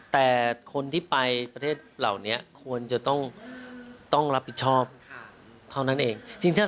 แต่คนที่ไปประเทศเหล่านี้ควรจะต้องรับผิดชอบเท่านั้นเอง